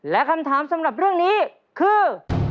และคำถามสำหรับเรื่องนี้คือ